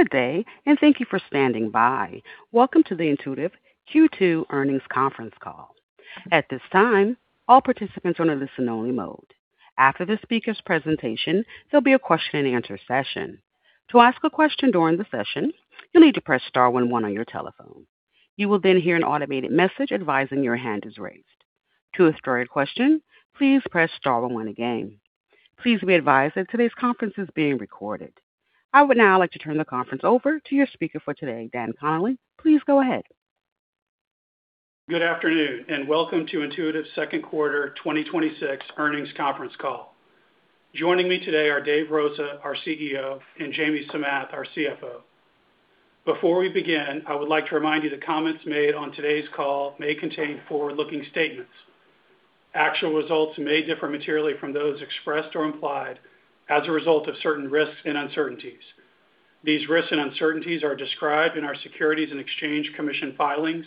Good day. Thank you for standing by. Welcome to the Intuitive Q2 Earnings Conference Call. At this time, all participants are in listen only mode. After the speaker's presentation, there'll be a question and answer session. To ask a question during the session, you'll need to press star one one on your telephone. You will then hear an automated message advising your hand is raised. To withdraw your question, please press star one one again. Please be advised that today's conference is being recorded. I would now like to turn the conference over to your speaker for today, Dan Connally. Please go ahead. Good afternoon. Welcome to Intuitive's second quarter 2026 earnings conference call. Joining me today are Dave Rosa, our CEO, and Jamie Samath, our CFO. Before we begin, I would like to remind you the comments made on today's call may contain forward-looking statements. Actual results may differ materially from those expressed or implied as a result of certain risks and uncertainties. These risks and uncertainties are described in our Securities and Exchange Commission filings,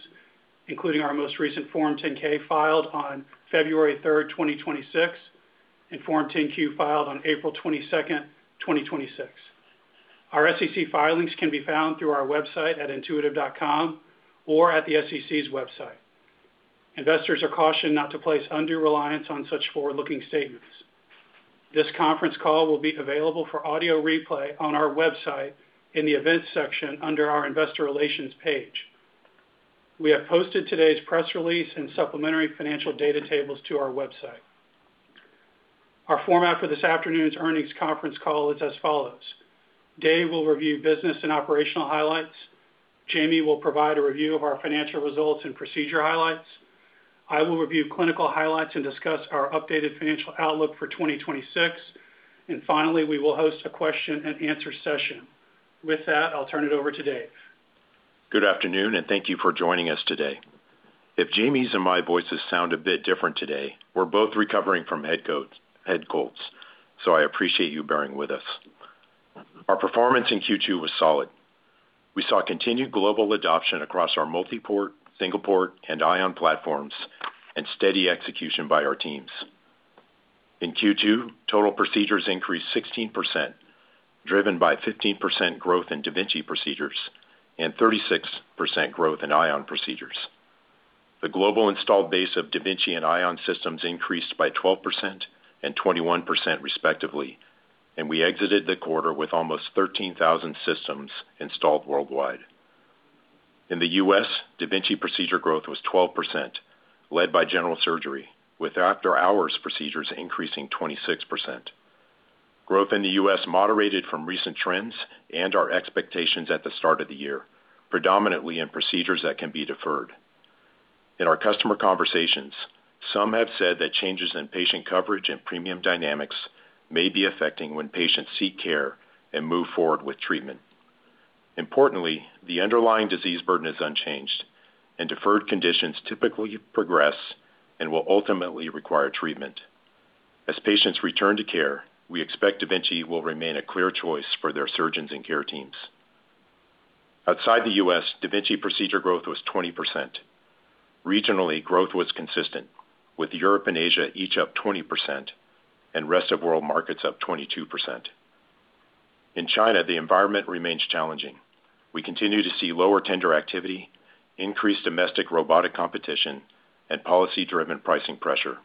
including our most recent Form 10-K filed on February 3rd, 2026, and Form 10-Q filed on April 22nd, 2026. Our SEC filings can be found through our website at intuitive.com or at the SEC's website. Investors are cautioned not to place undue reliance on such forward-looking statements. This conference call will be available for audio replay on our website in the Events section under our Investor Relations page. We have posted today's press release and supplementary financial data tables to our website. Our format for this afternoon's earnings conference call is as follows. Dave will review business and operational highlights. Jamie will provide a review of our financial results and procedure highlights. I will review clinical highlights and discuss our updated financial outlook for 2026. Finally, we will host a question and answer session. With that, I'll turn it over to Dave. Good afternoon. Thank you for joining us today. If Jamie's and my voices sound a bit different today, we're both recovering from head colds, so I appreciate you bearing with us. Our performance in Q2 was solid. We saw continued global adoption across our MultiPort, da Vinci SP, and Ion platforms and steady execution by our teams. In Q2, total procedures increased 16%, driven by 15% growth in da Vinci procedures and 36% growth in Ion procedures. The global installed base of da Vinci and Ion systems increased by 12% and 21% respectively, and we exited the quarter with almost 13,000 systems installed worldwide. In the U.S., da Vinci procedure growth was 12%, led by general surgery, with after-hours procedures increasing 26%. Growth in the U.S. moderated from recent trends and our expectations at the start of the year, predominantly in procedures that can be deferred. In our customer conversations, some have said that changes in patient coverage and premium dynamics may be affecting when patients seek care and move forward with treatment. Importantly, the underlying disease burden is unchanged and deferred conditions typically progress and will ultimately require treatment. As patients return to care, we expect da Vinci will remain a clear choice for their surgeons and care teams. Outside the U.S., da Vinci procedure growth was 20%. Regionally, growth was consistent, with Europe and Asia each up 20% and rest of world markets up 22%. In China, the environment remains challenging. We continue to see lower tender activity, increased domestic robotic competition, and policy-driven pricing pressure.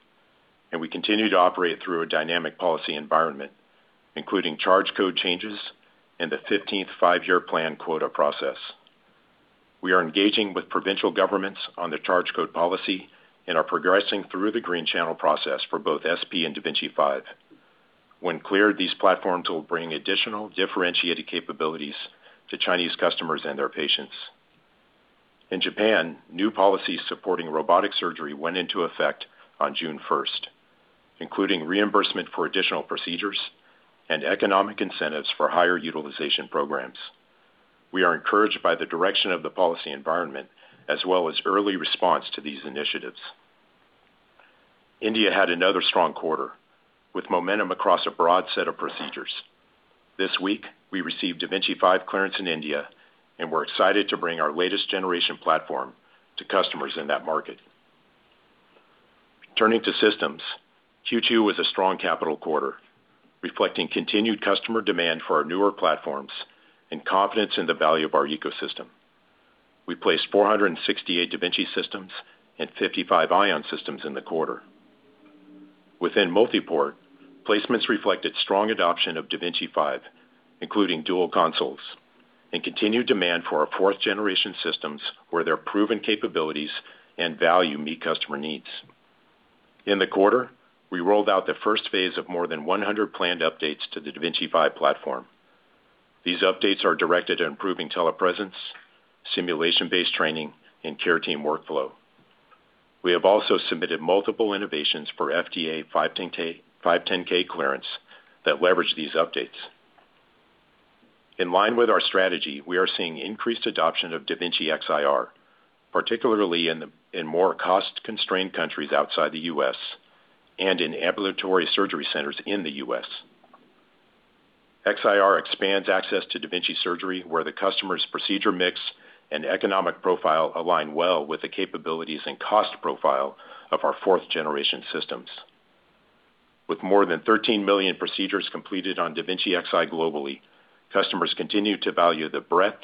We continue to operate through a dynamic policy environment, including charge code changes and the 15th Five-Year Plan quota process. We are engaging with provincial governments on the charge code policy and are progressing through the Green Channel process for both SP and da Vinci 5. When cleared, these platforms will bring additional differentiated capabilities to Chinese customers and their patients. In Japan, new policies supporting robotic surgery went into effect on June 1st, including reimbursement for additional procedures and economic incentives for higher utilization programs. We are encouraged by the direction of the policy environment as well as early response to these initiatives. India had another strong quarter with momentum across a broad set of procedures. This week, we received da Vinci 5 clearance in India and we're excited to bring our latest generation platform to customers in that market. Turning to systems, Q2 was a strong capital quarter, reflecting continued customer demand for our newer platforms and confidence in the value of our ecosystem. We placed 468 da Vinci systems and 55 Ion systems in the quarter. Within MultiPort, placements reflected strong adoption of da Vinci 5, including dual consoles, and continued demand for our fourth generation systems where their proven capabilities and value meet customer needs. In the quarter, we rolled out the first phase of more than 100 planned updates to the da Vinci 5 platform. These updates are directed at improving telepresence, simulation-based training, and care team workflow. We have also submitted multiple innovations for FDA 510(k) clearance that leverage these updates. In line with our strategy, we are seeing increased adoption of da Vinci XiR, particularly in more cost-constrained countries outside the U.S. and in Ambulatory Surgery Centers in the U.S. XiR expands access to da Vinci surgery where the customer's procedure mix and economic profile align well with the capabilities and cost profile of our fourth generation systems. With more than 13 million procedures completed on da Vinci Xi globally, customers continue to value the breadth,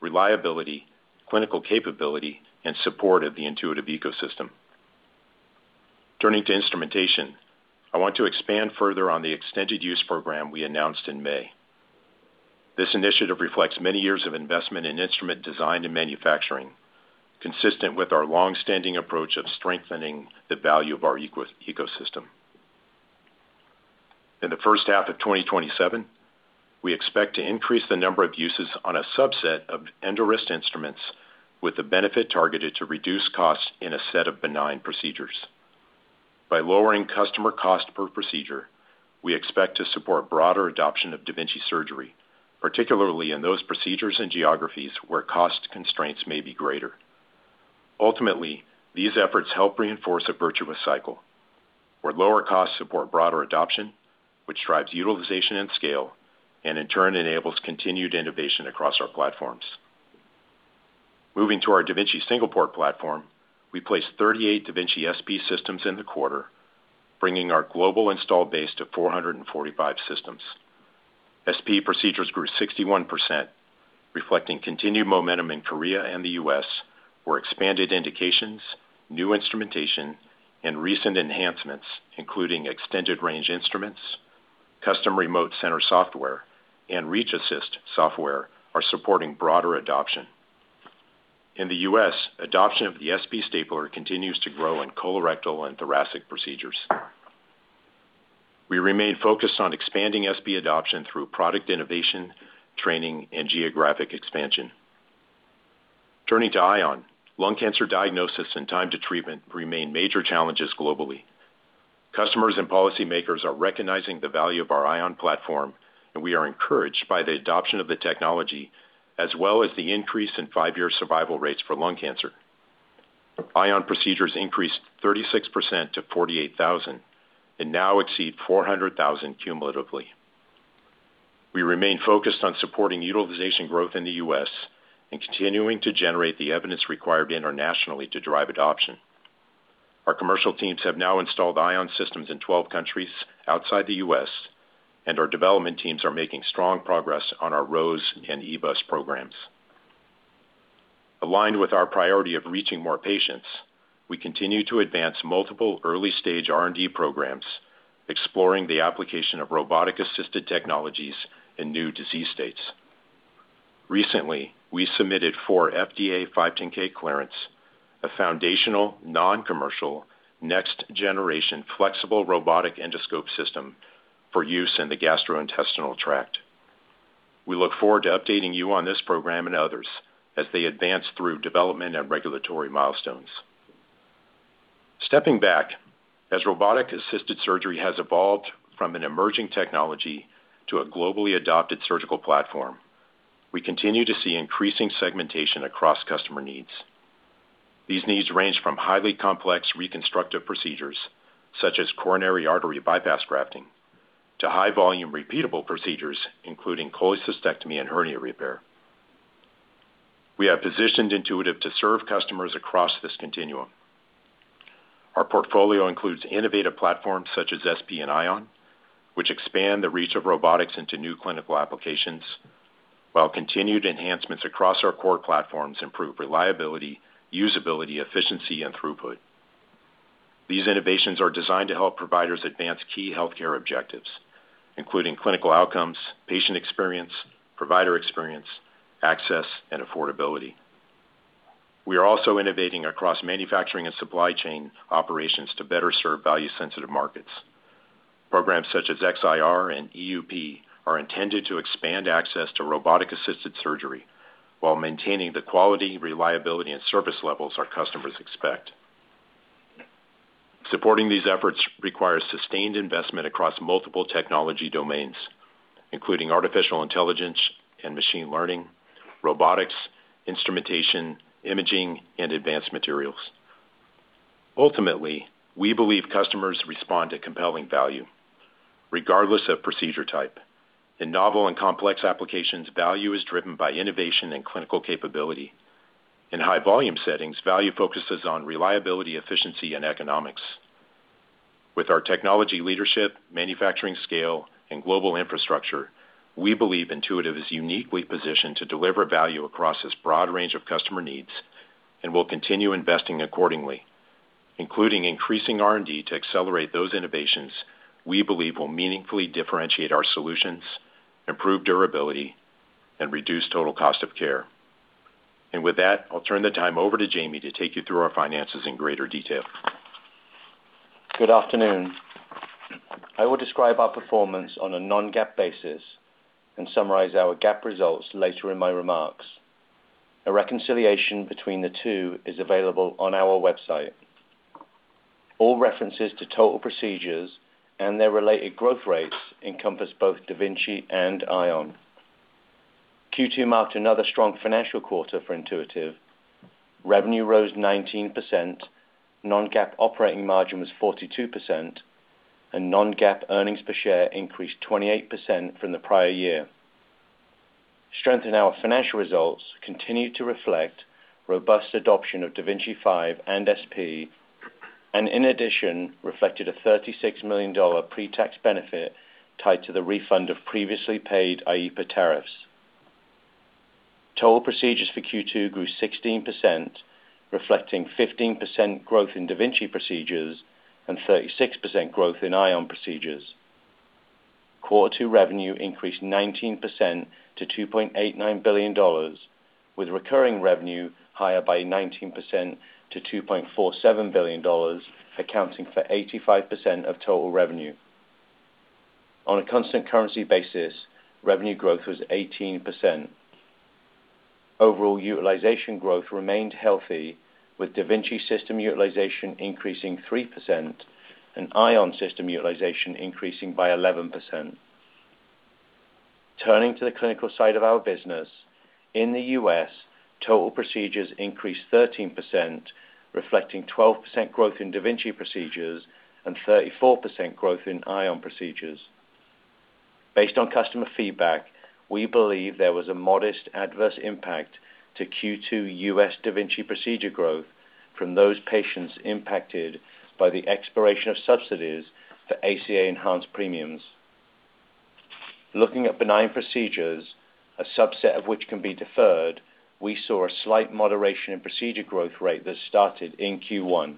reliability, clinical capability, and support of the Intuitive ecosystem. Turning to instrumentation, I want to expand further on the Extended Use Program we announced in May. This initiative reflects many years of investment in instrument design and manufacturing, consistent with our long-standing approach of strengthening the value of our ecosystem. In the first half of 2027, we expect to increase the number of uses on a subset of EndoWrist instruments with the benefit targeted to reduce costs in a set of benign procedures. By lowering customer cost per procedure, we expect to support broader adoption of da Vinci surgery, particularly in those procedures and geographies where cost constraints may be greater. Ultimately, these efforts help reinforce a virtuous cycle where lower costs support broader adoption, which drives utilization and scale, and in turn enables continued innovation across our platforms. Moving to our da Vinci single-port platform, we placed 38 da Vinci SP systems in the quarter, bringing our global installed base to 445 systems. SP procedures grew 61%, reflecting continued momentum in Korea and the U.S., where expanded indications, new instrumentation, and recent enhancements, including extended range instruments, custom remote center software, and reach assist software are supporting broader adoption. In the U.S., adoption of the SP stapler continues to grow in colorectal and thoracic procedures. We remain focused on expanding SP adoption through product innovation, training, and geographic expansion. Turning to Ion, lung cancer diagnosis and time to treatment remain major challenges globally. Customers and policymakers are recognizing the value of our Ion platform, and we are encouraged by the adoption of the technology, as well as the increase in five-year survival rates for lung cancer. Ion procedures increased 36% to 48,000 and now exceed 400,000 cumulatively. We remain focused on supporting utilization growth in the U.S. and continuing to generate the evidence required internationally to drive adoption. Our commercial teams have now installed Ion systems in 12 countries outside the U.S., and our development teams are making strong progress on our ROES and EBUS programs. Aligned with our priority of reaching more patients, we continue to advance multiple early-stage R&D programs exploring the application of robotic-assisted technologies in new disease states. Recently, we submitted for FDA 510 clearance, a foundational non-commercial next-generation flexible robotic endoscope system for use in the gastrointestinal tract. We look forward to updating you on this program and others as they advance through development and regulatory milestones. Stepping back, as robotic-assisted surgery has evolved from an emerging technology to a globally adopted surgical platform, we continue to see increasing segmentation across customer needs. These needs range from highly complex reconstructive procedures, such as coronary artery bypass grafting, to high volume repeatable procedures, including cholecystectomy and hernia repair. We have positioned Intuitive to serve customers across this continuum. Our portfolio includes innovative platforms such as SP and Ion, which expand the reach of robotics into new clinical applications, while continued enhancements across our core platforms improve reliability, usability, efficiency, and throughput. These innovations are designed to help providers advance key healthcare objectives, including clinical outcomes, patient experience, provider experience, access, and affordability. We are also innovating across manufacturing and supply chain operations to better serve value-sensitive markets. Programs such as XIR and EUP are intended to expand access to robotic-assisted surgery while maintaining the quality, reliability, and service levels our customers expect. Supporting these efforts requires sustained investment across multiple technology domains, including artificial intelligence and machine learning, robotics, instrumentation, imaging, and advanced materials. Ultimately, we believe customers respond to compelling value regardless of procedure type. In novel and complex applications, value is driven by innovation and clinical capability. In high volume settings, value focuses on reliability, efficiency, and economics. With our technology leadership, manufacturing scale, and global infrastructure, we believe Intuitive is uniquely positioned to deliver value across this broad range of customer needs and will continue investing accordingly, including increasing R&D to accelerate those innovations we believe will meaningfully differentiate our solutions, improve durability, and reduce total cost of care. With that, I'll turn the time over to Jamie to take you through our finances in greater detail. Good afternoon. I will describe our performance on a non-GAAP basis and summarize our GAAP results later in my remarks. A reconciliation between the two is available on our website. All references to total procedures and their related growth rates encompass both da Vinci and Ion. Q2 marked another strong financial quarter for Intuitive. Revenue rose 19%, non-GAAP operating margin was 42%, and non-GAAP earnings per share increased 28% from the prior year. Strength in our financial results continue to reflect robust adoption of da Vinci 5 and SP, and in addition, reflected a $36 million pre-tax benefit tied to the refund of previously paid IEEPA tariffs. Total procedures for Q2 grew 16%, reflecting 15% growth in da Vinci procedures and 36% growth in Ion procedures. Quarter two revenue increased 19% to $2.89 billion, with recurring revenue higher by 19% to $2.47 billion, accounting for 85% of total revenue. On a constant currency basis, revenue growth was 18%. Overall utilization growth remained healthy, with da Vinci system utilization increasing 3% and Ion system utilization increasing by 11%. Turning to the clinical side of our business, in the U.S., total procedures increased 13%, reflecting 12% growth in da Vinci procedures and 34% growth in Ion procedures. Based on customer feedback, we believe there was a modest adverse impact to Q2 U.S. da Vinci procedure growth from those patients impacted by the expiration of subsidies for ACA enhanced premiums. Looking at benign procedures, a subset of which can be deferred, we saw a slight moderation in procedure growth rate that started in Q1.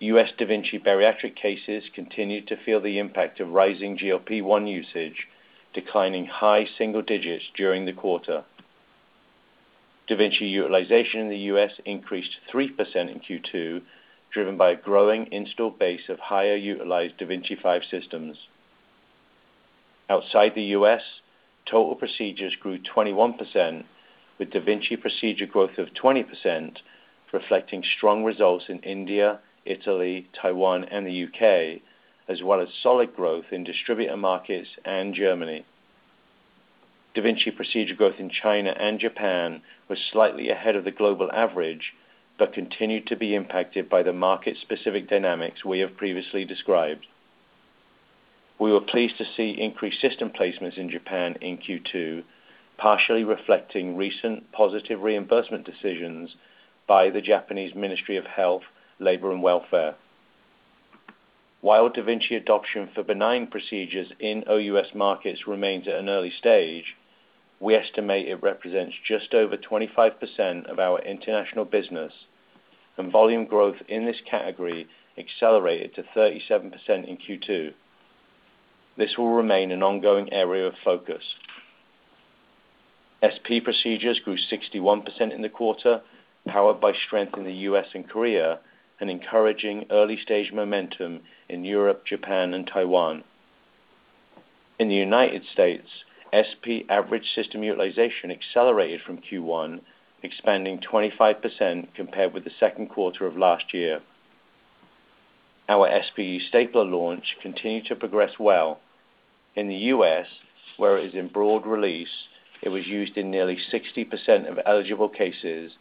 U.S. da Vinci bariatric cases continued to feel the impact of rising GLP-1 usage, declining high single digits during the quarter. Da Vinci utilization in the U.S. increased 3% in Q2, driven by a growing installed base of higher utilized da Vinci 5 systems. Outside the U.S., total procedures grew 21%, with da Vinci procedure growth of 20%, reflecting strong results in India, Italy, Taiwan, and the U.K., as well as solid growth in distributor markets and Germany. da Vinci procedure growth in China and Japan was slightly ahead of the global average, but continued to be impacted by the market-specific dynamics we have previously described. We were pleased to see increased system placements in Japan in Q2, partially reflecting recent positive reimbursement decisions by the Japanese Ministry of Health, Labour and Welfare. While da Vinci adoption for benign procedures in OUS markets remains at an early stage, we estimate it represents just over 25% of our international business, volume growth in this category accelerated to 37% in Q2. This will remain an ongoing area of focus. SP procedures grew 61% in the quarter, powered by strength in the U.S. and Korea, and encouraging early-stage momentum in Europe, Japan and Taiwan. In the United States, SP average system utilization accelerated from Q1, expanding 25% compared with the second quarter of last year. Our SP stapler launch continued to progress well. In the U.S., where it is in broad release, it was used in nearly 60% of eligible cases,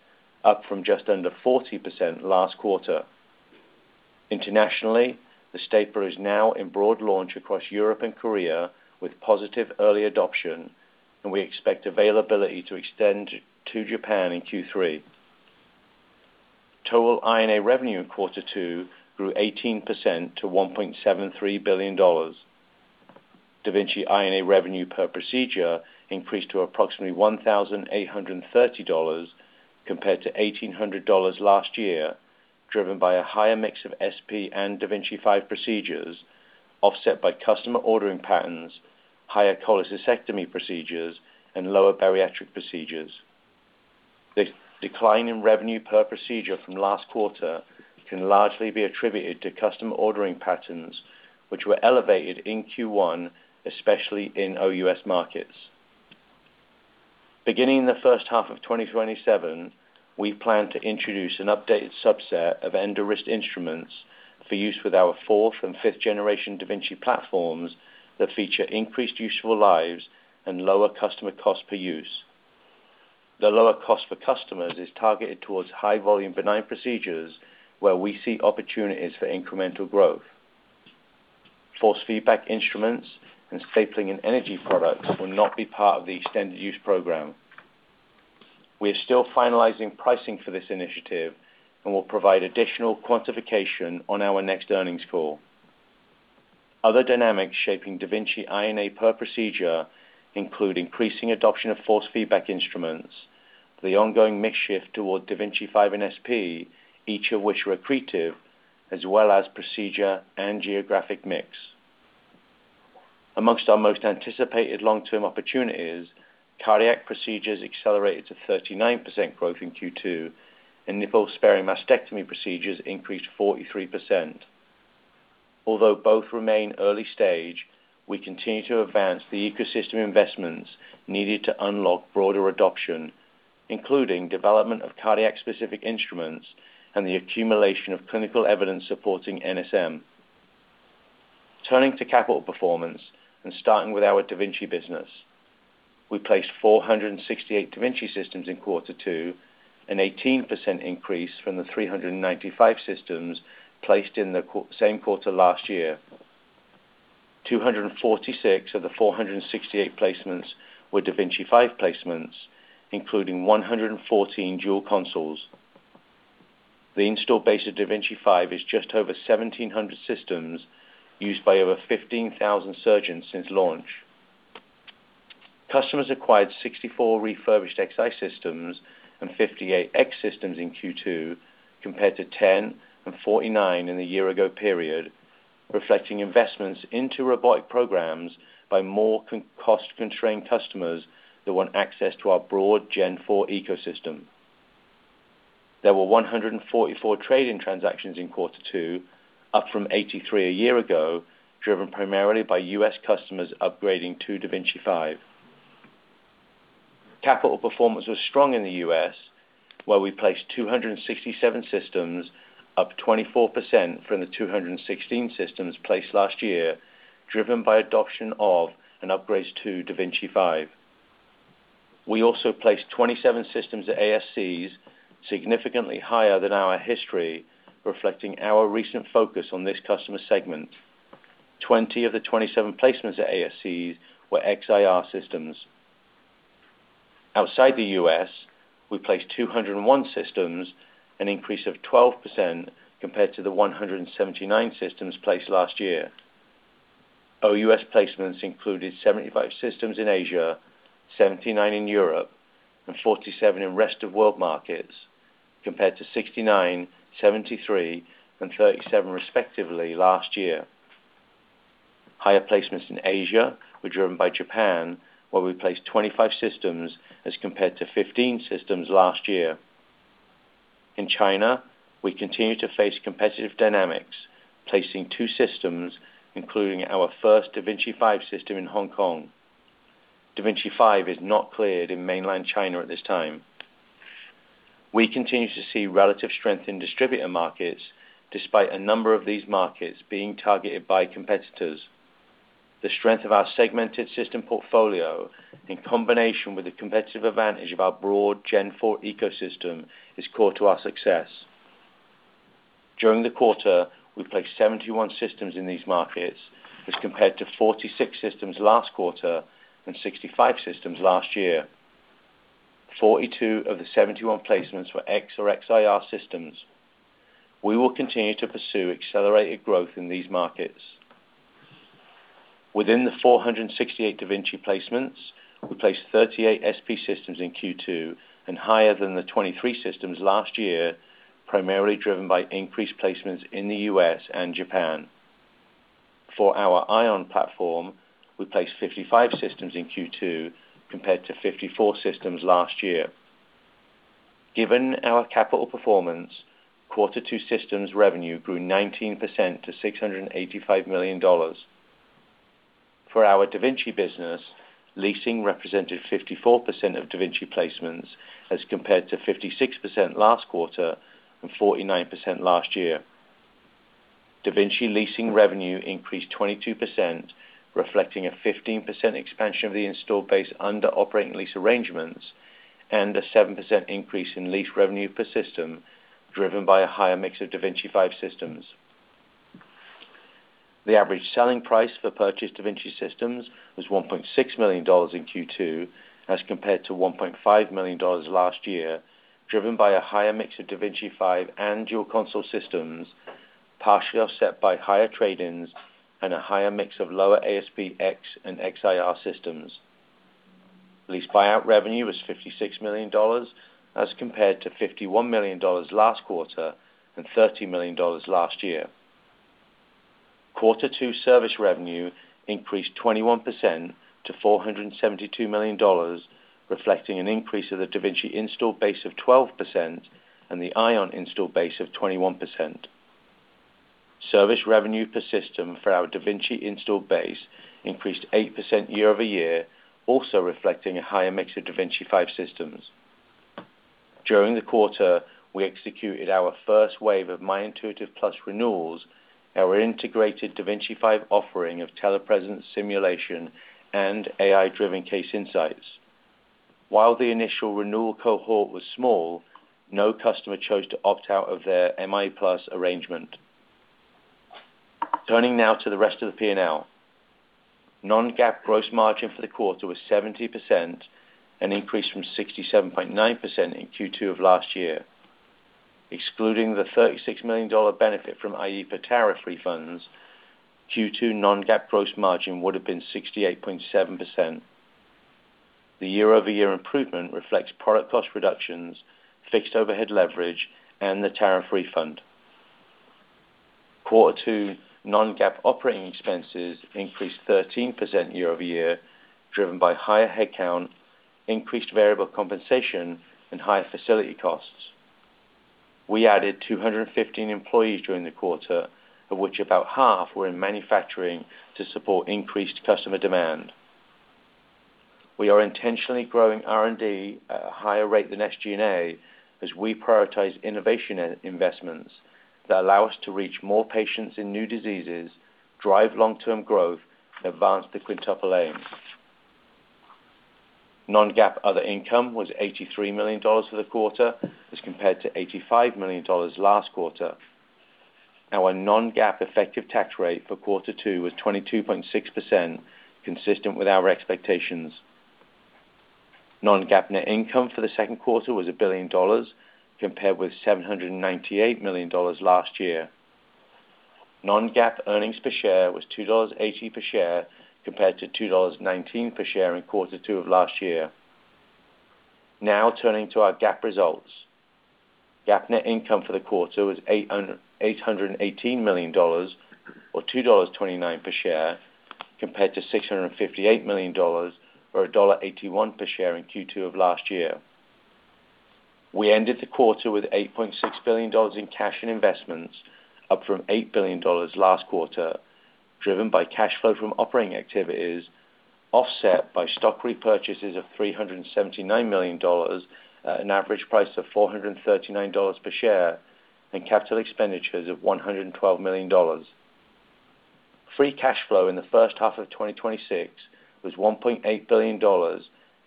up from just under 40% last quarter. Internationally, the stapler is now in broad launch across Europe and Korea, with positive early adoption, and we expect availability to extend to Japan in Q3. Total INA revenue in quarter two grew 18% to $1.73 billion. da Vinci INA revenue per procedure increased to approximately $1,830 compared to $1,800 last year, driven by a higher mix of SP and da Vinci 5 procedures, offset by customer ordering patterns, higher colectomy procedures, and lower bariatric procedures. The decline in revenue per procedure from last quarter can largely be attributed to customer ordering patterns, which were elevated in Q1, especially in OUS markets. Beginning in the first half of 2027, we plan to introduce an updated subset of EndoWrist instruments for use with our fourth and fifth generation da Vinci platforms that feature increased useful lives and lower customer cost per use. The lower cost for customers is targeted towards high volume benign procedures where we see opportunities for incremental growth. force feedback instruments and stapling and energy products will not be part of the extended use program. We are still finalizing pricing for this initiative and will provide additional quantification on our next earnings call. Other dynamics shaping da Vinci INA per procedure include increasing adoption of force feedback instruments, the ongoing mix shift toward da Vinci 5 and SP, each of which are accretive, as well as procedure and geographic mix. Amongst our most anticipated long-term opportunities, cardiac procedures accelerated to 39% growth in Q2, and nipple-sparing mastectomy procedures increased 43%. Although both remain early stage, we continue to advance the ecosystem investments needed to unlock broader adoption, including development of cardiac-specific instruments and the accumulation of clinical evidence supporting NSM. Turning to capital performance and starting with our da Vinci business, we placed 468 da Vinci systems in quarter two, an 18% increase from the 395 systems placed in the same quarter last year. 246 of the 468 placements were da Vinci 5 placements, including 114 dual consoles. The install base of da Vinci 5 is just over 1,700 systems used by over 15,000 surgeons since launch. Customers acquired 64 refurbished Xi systems and 58 X systems in Q2 compared to 10 and 49 in the year ago period, reflecting investments into robotic programs by more cost-constrained customers that want access to our broad Gen4 ecosystem. There were 144 trade-in transactions in quarter two, up from 83 a year ago, driven primarily by U.S. customers upgrading to da Vinci 5. Capital performance was strong in the U.S., where we placed 267 systems, up 24% from the 216 systems placed last year, driven by adoption of and upgrades to da Vinci 5. We also placed 27 systems at ASCs, significantly higher than our history, reflecting our recent focus on this customer segment. 20 of the 27 placements at ASCs were XiR systems. Outside the U.S., we placed 201 systems, an increase of 12% compared to the 179 systems placed last year. OUS. placements included 75 systems in Asia, 79 in Europe, and 47 in rest of world markets, compared to 69, 73, and 37 respectively last year. Higher placements in Asia were driven by Japan, where we placed 25 systems as compared to 15 systems last year. In China, we continue to face competitive dynamics, placing two systems, including our first da Vinci 5 system in Hong Kong. da Vinci 5 is not cleared in mainland China at this time. We continue to see relative strength in distributor markets, despite a number of these markets being targeted by competitors. The strength of our segmented system portfolio, in combination with the competitive advantage of our broad Gen4 ecosystem, is core to our success. During the quarter, we placed 71 systems in these markets as compared to 46 systems last quarter and 65 systems last year. 42 of the 71 placements were da Vinci X or XiR systems. We will continue to pursue accelerated growth in these markets. Within the 468 da Vinci placements, we placed 38 da Vinci SP systems in Q2 and higher than the 23 systems last year, primarily driven by increased placements in the U.S. and Japan. For our Ion platform, we placed 55 systems in Q2 compared to 54 systems last year. Given our capital performance, quarter two systems revenue grew 19% to $685 million. For our da Vinci business, leasing represented 54% of da Vinci placements as compared to 56% last quarter and 49% last year. da Vinci leasing revenue increased 22%, reflecting a 15% expansion of the installed base under operating lease arrangements and a 7% increase in lease revenue per system driven by a higher mix of da Vinci 5 systems. The average selling price for purchased da Vinci systems was $1.6 million in Q2 as compared to $1.5 million last year, driven by a higher mix of da Vinci 5 and dual console systems, partially offset by higher trade-ins and a higher mix of lower ASP da Vinci X and XiR systems. Lease buyout revenue was $56 million as compared to $51 million last quarter and $30 million last year. Quarter two service revenue increased 21% to $472 million, reflecting an increase of the da Vinci installed base of 12% and the Ion installed base of 21%. Service revenue per system for our da Vinci installed base increased 8% year-over-year, also reflecting a higher mix of da Vinci 5 systems. During the quarter, we executed our first wave of My Intuitive Plus renewals, our integrated da Vinci 5 offering of telepresence simulation and AI-driven case insights. While the initial renewal cohort was small, no customer chose to opt out of their MI Plus arrangement. Turning now to the rest of the P&L. Non-GAAP gross margin for the quarter was 70%, an increase from 67.9% in Q2 of last year. Excluding the $36 million benefit from IEEPA tariff refunds, Q2 non-GAAP gross margin would have been 68.7%. The year-over-year improvement reflects product cost reductions, fixed overhead leverage, and the tariff refund. Quarter two non-GAAP operating expenses increased 13% year-over-year, driven by higher headcount, increased variable compensation, and higher facility costs. We added 215 employees during the quarter, of which about half were in manufacturing to support increased customer demand. We are intentionally growing R&D at a higher rate than SG&A as we prioritize innovation investments that allow us to reach more patients in new diseases, drive long-term growth, and advance the Quintuple Aim. Non-GAAP other income was $83 million for the quarter as compared to $85 million last quarter. Our non-GAAP effective tax rate for quarter two was 22.6%, consistent with our expectations. Non-GAAP net income for the second quarter was $1 billion, compared with $798 million last year. Non-GAAP earnings per share was $2.80 per share, compared to $2.19 per share in quarter two of last year. Turning to our GAAP results. GAAP net income for the quarter was $818 million or $2.29 per share, compared to $658 million or $1.81 per share in Q2 of last year. We ended the quarter with $8.6 billion in cash and investments, up from $8 billion last quarter, driven by cash flow from operating activities, offset by stock repurchases of $379 million at an average price of $439 per share and capital expenditures of $112 million. Free cash flow in the first half of 2026 was $1.8 billion,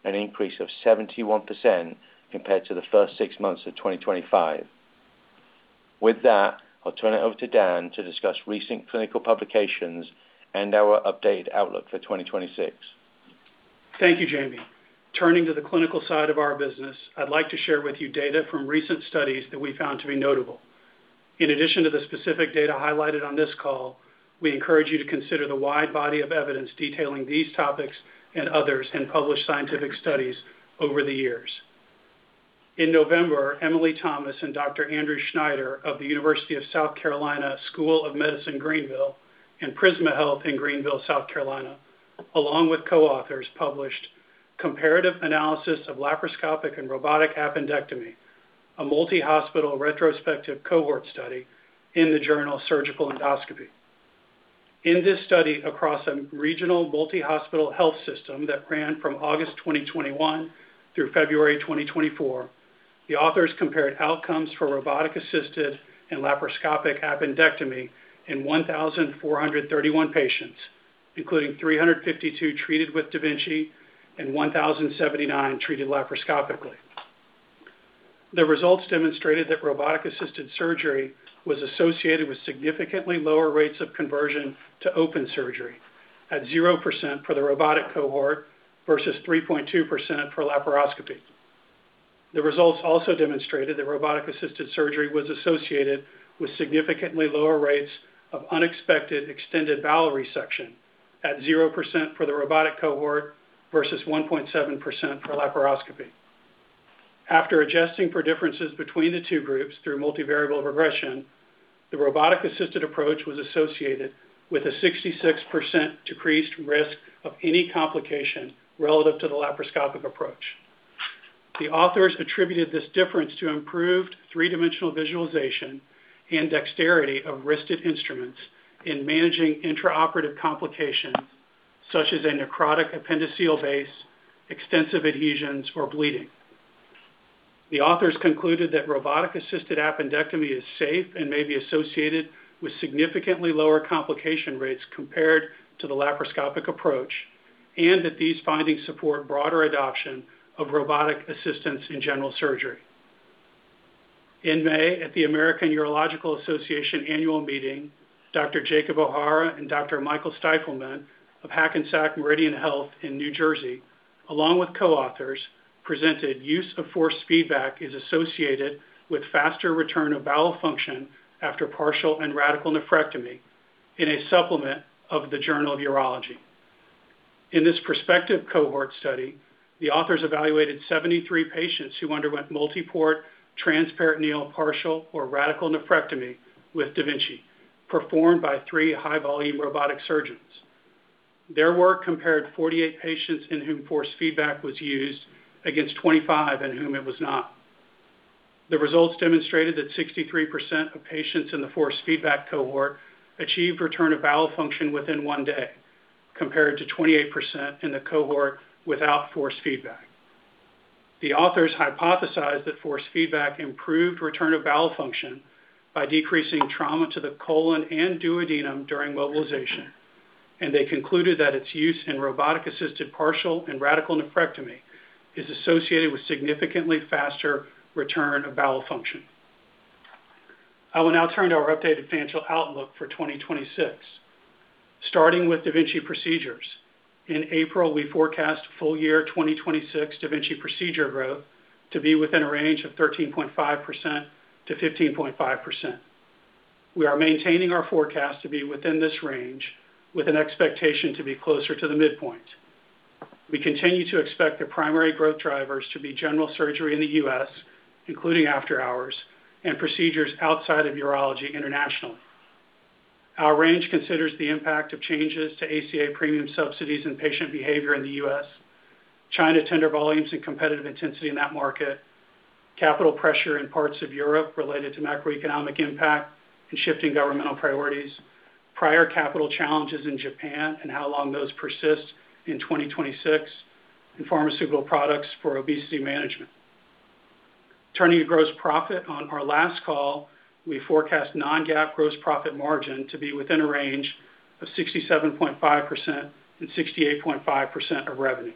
an increase of 71% compared to the first six months of 2025. With that, I'll turn it over to Dan to discuss recent clinical publications and our updated outlook for 2026. Thank you, Jamie. Turning to the clinical side of our business, I'd like to share with you data from recent studies that we found to be notable. In addition to the specific data highlighted on this call, we encourage you to consider the wide body of evidence detailing these topics and others in published scientific studies over the years. In November, Emily Thomas and Dr. Andrew Schneider of the University of South Carolina School of Medicine Greenville and Prisma Health in Greenville, South Carolina, along with co-authors, published "Comparative Analysis of Laparoscopic and Robotic Appendectomy: A Multi-Hospital Retrospective Cohort Study" in the journal Surgical Endoscopy. In this study, across a regional multi-hospital health system that ran from August 2021 through February 2024, the authors compared outcomes for robotic-assisted and laparoscopic appendectomy in 1,431 patients, including 352 treated with da Vinci and 1,079 treated laparoscopically. The results demonstrated that robotic-assisted surgery was associated with significantly lower rates of conversion to open surgery at 0% for the robotic cohort versus 3.2% for laparoscopy. The results also demonstrated that robotic-assisted surgery was associated with significantly lower rates of unexpected extended bowel resection at 0% for the robotic cohort versus 1.7% for laparoscopy. After adjusting for differences between the two groups through multivariable regression, the robotic-assisted approach was associated with a 66% decreased risk of any complication relative to the laparoscopic approach. The authors attributed this difference to improved three-dimensional visualization and dexterity of wristed instruments in managing intraoperative complications such as a necrotic appendiceal base, extensive adhesions, or bleeding. The authors concluded that robotic-assisted appendectomy is safe and may be associated with significantly lower complication rates compared to the laparoscopic approach, and that these findings support broader adoption of robotic assistance in general surgery. In May, at the American Urological Association annual meeting, Dr. Jacob O'Hara and Dr. Michael Stifelman of Hackensack Meridian Health in New Jersey, along with co-authors, presented "Use of Force Feedback is Associated with Faster Return of Bowel Function After Partial and Radical Nephrectomy" in a supplement of The Journal of Urology. In this prospective cohort study, the authors evaluated 73 patients who underwent MultiPort transperitoneal partial or radical nephrectomy with da Vinci, performed by three high-volume robotic surgeons. Their work compared 48 patients in whom force feedback was used against 25 in whom it was not. The results demonstrated that 63% of patients in the force feedback cohort achieved return of bowel function within one day, compared to 28% in the cohort without force feedback. The authors hypothesized that force feedback improved return of bowel function by decreasing trauma to the colon and duodenum during mobilization, and they concluded that its use in robotic-assisted partial and radical nephrectomy is associated with significantly faster return of bowel function. I will now turn to our updated financial outlook for 2026. Starting with da Vinci procedures. In April, we forecast full year 2026 da Vinci procedure growth to be within a range of 13.5%-15.5%. We are maintaining our forecast to be within this range with an expectation to be closer to the midpoint. We continue to expect the primary growth drivers to be general surgery in the U.S., including after-hours, and procedures outside of urology internationally. Our range considers the impact of changes to ACA premium subsidies and patient behavior in the U.S., China tender volumes and competitive intensity in that market, capital pressure in parts of Europe related to macroeconomic impact and shifting governmental priorities, prior capital challenges in Japan and how long those persist in 2026, and pharmaceutical products for obesity management. Turning to gross profit. On our last call, we forecast non-GAAP gross profit margin to be within a range of 67.5% and 68.5% of revenue,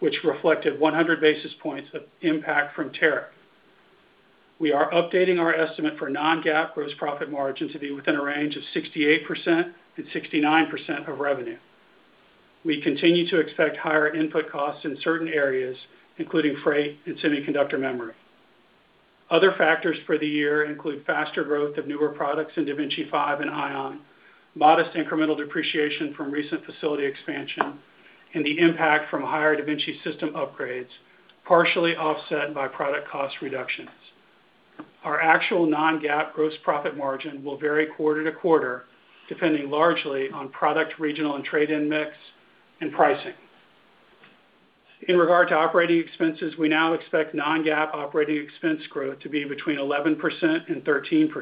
which reflected 100 basis points of impact from tariff. We are updating our estimate for non-GAAP gross profit margin to be within a range of 68% and 69% of revenue. We continue to expect higher input costs in certain areas, including freight and semiconductor memory. Other factors for the year include faster growth of newer products in da Vinci 5 and Ion, modest incremental depreciation from recent facility expansion, and the impact from higher da Vinci system upgrades, partially offset by product cost reductions. Our actual non-GAAP gross profit margin will vary quarter to quarter, depending largely on product, regional and trade-in mix, and pricing. In regard to operating expenses, we now expect non-GAAP operating expense growth to be between 11% and 13%.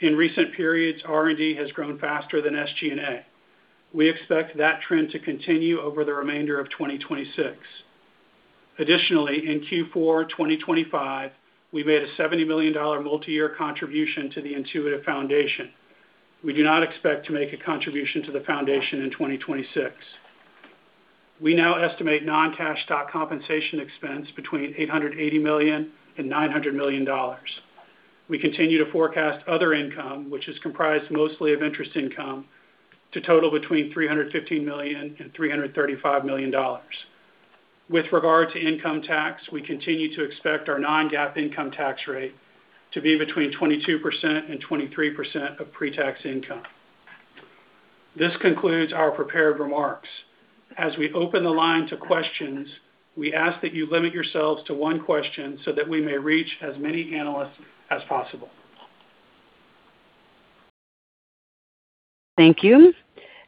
In recent periods, R&D has grown faster than SG&A. We expect that trend to continue over the remainder of 2026. Additionally, in Q4 2025, we made a $70 million multi-year contribution to the Intuitive Foundation. We do not expect to make a contribution to the foundation in 2026. We now estimate non-cash stock compensation expense between $880 million and $900 million. We continue to forecast other income, which is comprised mostly of interest income, to total between $315 million and $335 million. With regard to income tax, we continue to expect our non-GAAP income tax rate to be between 22% and 23% of pre-tax income. This concludes our prepared remarks. As we open the line to questions, we ask that you limit yourselves to one question so that we may reach as many analysts as possible. Thank you.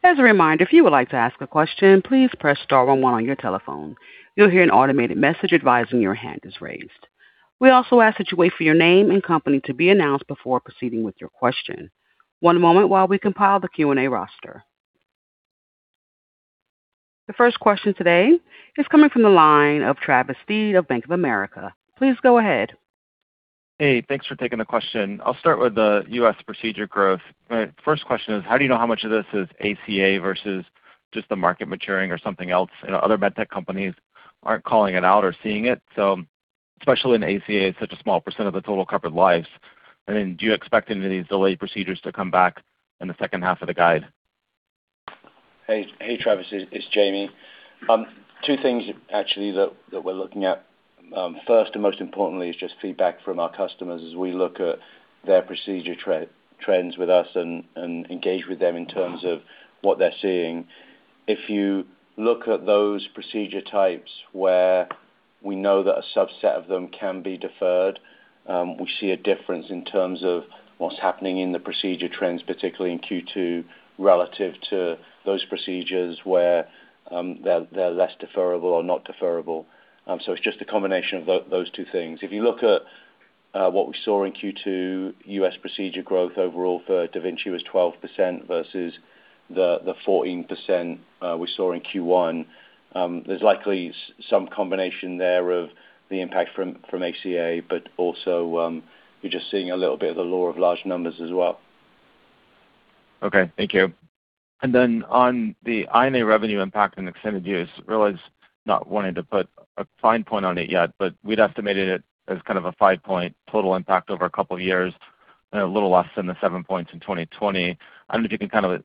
As a reminder, if you would like to ask a question, please press star one one on your telephone. You'll hear an automated message advising your hand is raised. We also ask that you wait for your name and company to be announced before proceeding with your question. One moment while we compile the Q&A roster. The first question today is coming from the line of Travis Steed of Bank of America. Please go ahead. Hey, thanks for taking the question. I'll start with the U.S. procedure growth. First question is, how do you know how much of this is ACA versus just the market maturing or something else? Other med tech companies aren't calling it out or seeing it. Especially in ACA, it's such a small percentage of the total covered lives. Do you expect any of these delayed procedures to come back in the second half of the guide? Hey, Travis, it's Jamie. Two things actually that we're looking at. First, and most importantly, is just feedback from our customers as we look at their procedure trends with us and engage with them in terms of what they're seeing. If you look at those procedure types where we know that a subset of them can be deferred, we see a difference in terms of what's happening in the procedure trends, particularly in Q2, relative to those procedures where they're less deferrable or not deferrable. It's just a combination of those two things. If you look at what we saw in Q2, U.S. procedure growth overall for da Vinci was 12% versus the 14% we saw in Q1. There's likely some combination there of the impact from ACA, also you're just seeing a little bit of the law of large numbers as well. Okay. Thank you. On the I&A revenue impact and extended use, realize not wanting to put a fine point on it yet, but we'd estimated it as kind of a five-point total impact over a couple of years and a little less than the seven points in 2020. I don't know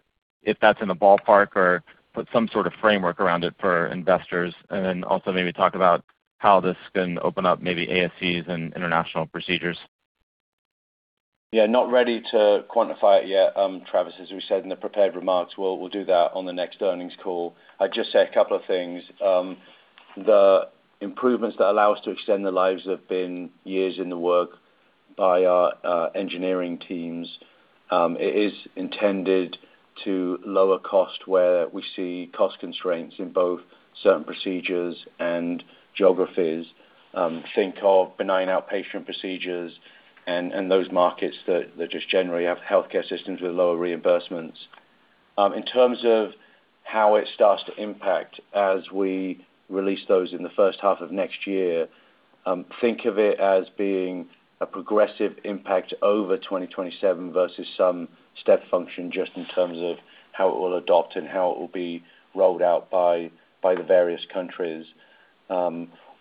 if that's in the ballpark or put some sort of framework around it for investors, also maybe talk about how this can open up maybe ASCs and international procedures. Yeah, not ready to quantify it yet, Travis, as we said in the prepared remarks. We'll do that on the next earnings call. I'd just say a couple of things. The improvements that allow us to extend the lives have been years in the work by our engineering teams. It is intended to lower cost where we see cost constraints in both certain procedures and geographies. Think of benign outpatient procedures and those markets that just generally have healthcare systems with lower reimbursements. In terms of how it starts to impact as we release those in the first half of next year, think of it as being a progressive impact over 2027 versus some step function just in terms of how it will adopt and how it will be rolled out by the various countries.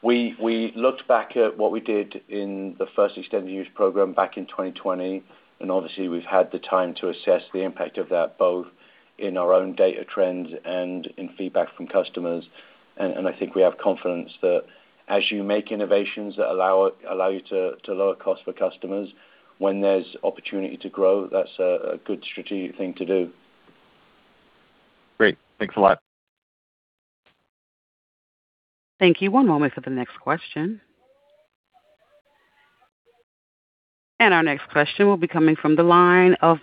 We looked back at what we did in the first extended use program back in 2020, obviously, we've had the time to assess the impact of that, both in our own data trends and in feedback from customers. I think we have confidence that as you make innovations that allow you to lower cost for customers when there's opportunity to grow, that's a good strategic thing to do. Great. Thanks a lot. Thank you. One moment for the next question. Our next question will be coming from the line of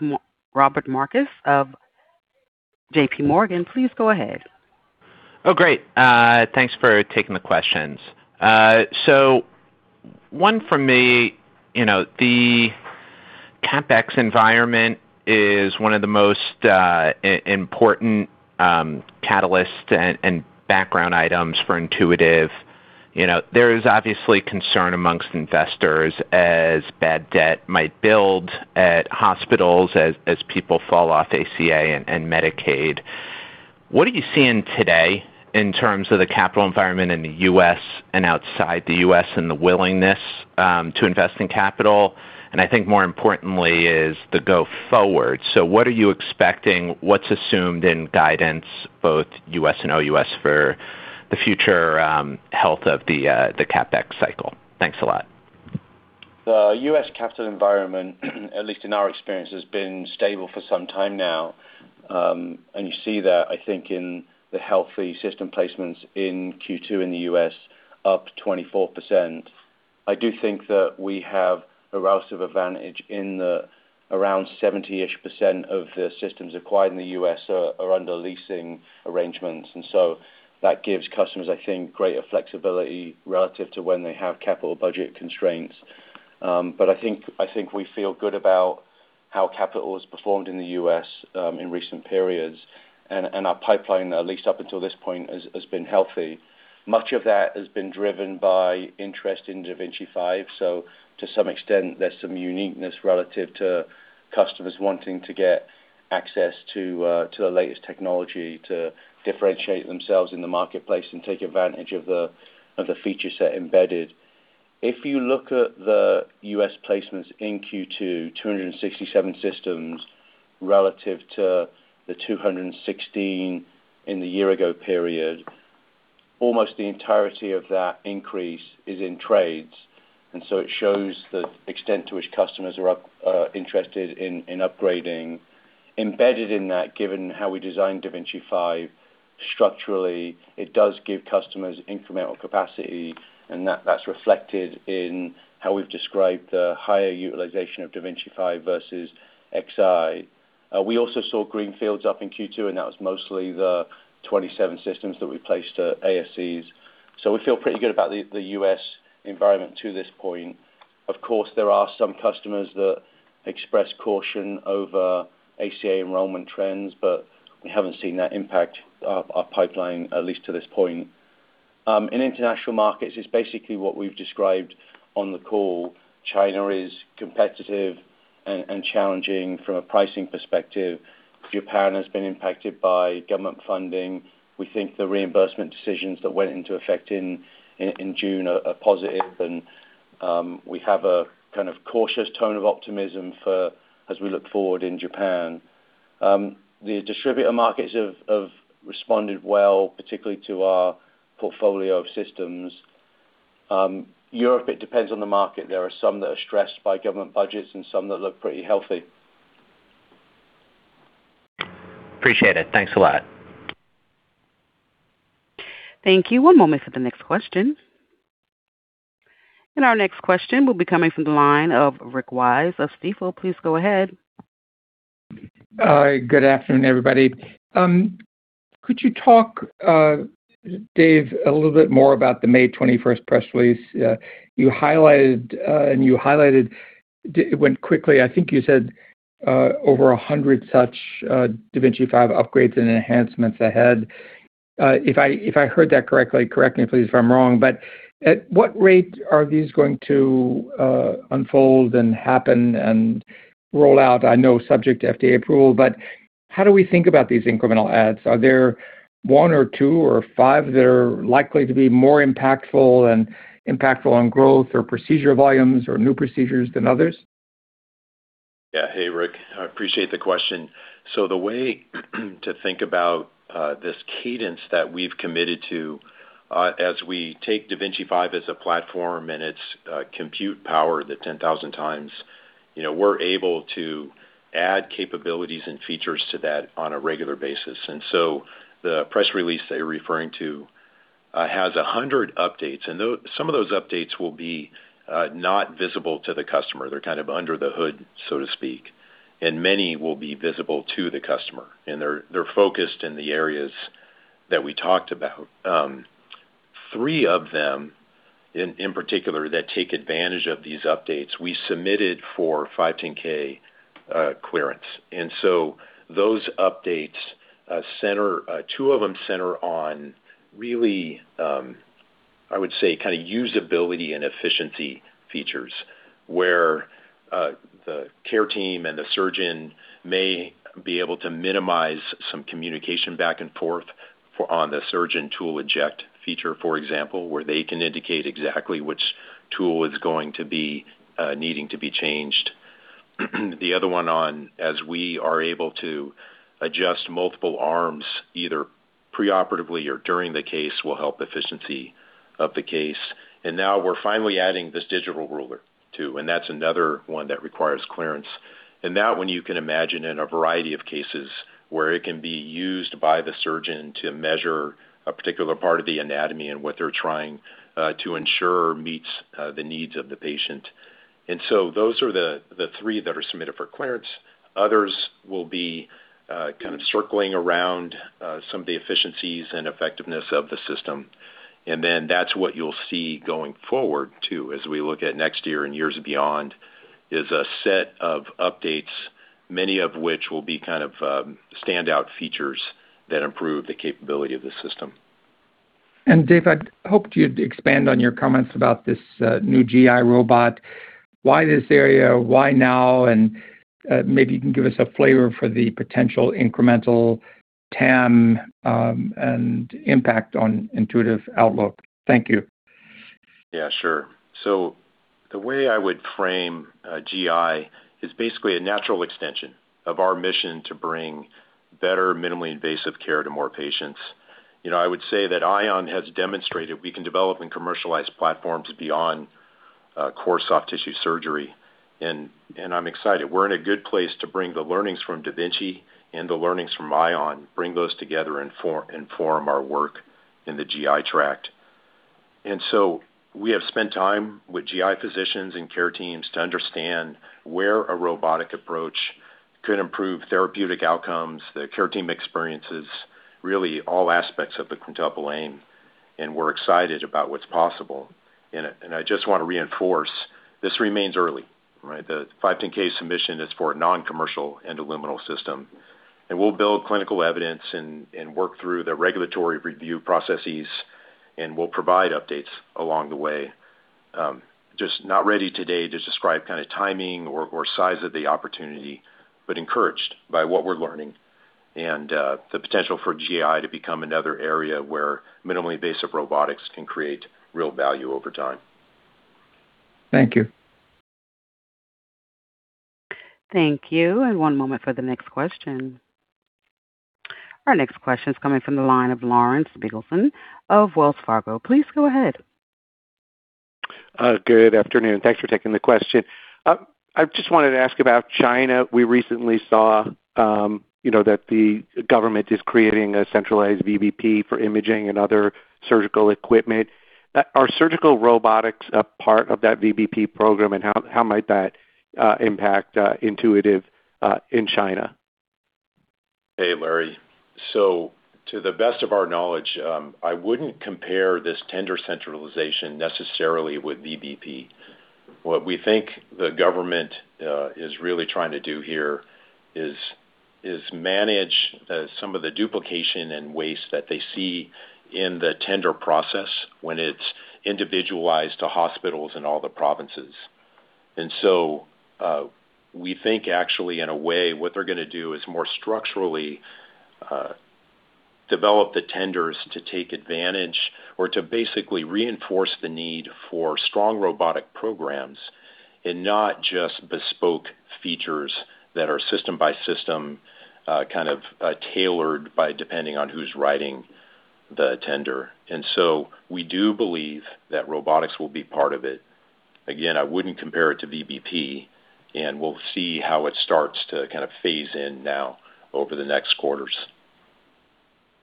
Robert Marcus of JPMorgan. Please go ahead. Oh, great. Thanks for taking the questions. One from me. CapEx environment is one of the most important catalysts and background items for Intuitive. There is obviously concern amongst investors as bad debt might build at hospitals as people fall off ACA and Medicaid. What are you seeing today in terms of the capital environment in the U.S. and outside the U.S. and the willingness to invest in capital? I think more importantly is the go forward. What are you expecting? What's assumed in guidance, both U.S. and OUS, for the future health of the CapEx cycle? Thanks a lot. The U.S. capital environment, at least in our experience, has been stable for some time now. You see that, I think, in the healthy system placements in Q2 in the U.S., up 24%. I do think that we have a relative advantage in the around 70-ish% of the systems acquired in the U.S. are under leasing arrangements, that gives customers, I think, greater flexibility relative to when they have capital budget constraints. I think we feel good about how capital has performed in the U.S. in recent periods, and our pipeline, at least up until this point, has been healthy. Much of that has been driven by interest in da Vinci 5, to some extent, there's some uniqueness relative to customers wanting to get access to the latest technology to differentiate themselves in the marketplace and take advantage of the feature set embedded. If you look at the U.S. placements in Q2, 267 systems relative to the 216 in the year-ago period, almost the entirety of that increase is in trades, it shows the extent to which customers are interested in upgrading. Embedded in that, given how we designed da Vinci 5 structurally, it does give customers incremental capacity, and that's reflected in how we've described the higher utilization of da Vinci 5 versus XI. We also saw greenfields up in Q2, that was mostly the 27 systems that we placed at ASCs. We feel pretty good about the U.S. environment to this point. Of course, there are some customers that express caution over ACA enrollment trends, we haven't seen that impact our pipeline, at least to this point. In international markets, it's basically what we've described on the call. China is competitive and challenging from a pricing perspective. Japan has been impacted by government funding. We think the reimbursement decisions that went into effect in June are positive, and we have a cautious tone of optimism as we look forward in Japan. The distributor markets have responded well, particularly to our portfolio of systems. Europe, it depends on the market. There are some that are stressed by government budgets and some that look pretty healthy. Appreciate it. Thanks a lot. Thank you. One moment for the next question. Our next question will be coming from the line of Rick Wise of Stifel. Please go ahead. Hi. Good afternoon, everybody. Could you talk, Dave, a little bit more about the May 21st press release? You highlighted, it went quickly, I think you said over 100 such da Vinci 5 upgrades and enhancements ahead. If I heard that correctly, correct me please if I'm wrong, but at what rate are these going to unfold and happen and roll out? I know subject to FDA approval, but how do we think about these incremental adds? Are there one or two or five that are likely to be more impactful and impactful on growth or procedure volumes or new procedures than others? Yeah. Hey, Rick. I appreciate the question. The way to think about this cadence that we've committed to as we take da Vinci 5 as a platform and its compute power, the 10,000 times, we're able to add capabilities and features to that on a regular basis. The press release that you're referring to has 100 updates, some of those updates will be not visible to the customer. They're kind of under the hood, so to speak, many will be visible to the customer, and they're focused in the areas that we talked about. Three of them in particular that take advantage of these updates, we submitted for 510 clearance. Those updates, two of them center on really, I would say, usability and efficiency features, where the care team and the surgeon may be able to minimize some communication back and forth on the surgeon tool eject feature, for example, where they can indicate exactly which tool is going to be needing to be changed. The other one on, as we are able to adjust multiple arms, either preoperatively or during the case, will help efficiency of the case. Now we're finally adding this digital ruler, too, that's another one that requires clearance. That one, you can imagine in a variety of cases where it can be used by the surgeon to measure a particular part of the anatomy and what they're trying to ensure meets the needs of the patient. Those are the three that are submitted for clearance. Others will be kind of circling around some of the efficiencies and effectiveness of the system. That's what you'll see going forward, too, as we look at next year and years beyond, is a set of updates Many of which will be standout features that improve the capability of the system. Dave, I'd hoped you'd expand on your comments about this new GI robot. Why this area, why now? Maybe you can give us a flavor for the potential incremental TAM, and impact on Intuitive outlook. Thank you. Yeah, sure. The way I would frame GI is basically a natural extension of our mission to bring better minimally invasive care to more patients. I would say that Ion has demonstrated we can develop and commercialize platforms beyond core soft tissue surgery, I'm excited. We're in a good place to bring the learnings from da Vinci and the learnings from Ion, bring those together and inform our work in the GI tract. We have spent time with GI physicians and care teams to understand where a robotic approach could improve therapeutic outcomes, the care team experiences, really all aspects of the Quintuple Aim, we're excited about what's possible. I just want to reinforce, this remains early, right? The 510 submission is for a non-commercial and intraluminal system. We'll build clinical evidence and work through the regulatory review processes, we'll provide updates along the way. Just not ready today to describe timing or size of the opportunity, but encouraged by what we're learning and the potential for GI to become another area where minimally invasive robotics can create real value over time. Thank you. Thank you. One moment for the next question. Our next question is coming from the line of Larry Biegelsen of Wells Fargo. Please go ahead. Good afternoon. Thanks for taking the question. I just wanted to ask about China. We recently saw that the government is creating a centralized VBP for imaging and other surgical equipment. Are surgical robotics a part of that VBP program, and how might that impact Intuitive in China? Hey, Larry. To the best of our knowledge, I wouldn't compare this tender centralization necessarily with VBP. What we think the government is really trying to do here is manage some of the duplication and waste that they see in the tender process when it's individualized to hospitals in all the provinces. We think actually in a way, what they're going to do is more structurally develop the tenders to take advantage or to basically reinforce the need for strong robotic programs and not just bespoke features that are system by system, kind of tailored by depending on who's writing the tender. We do believe that robotics will be part of it. Again, I wouldn't compare it to VBP, and we'll see how it starts to kind of phase in now over the next quarters.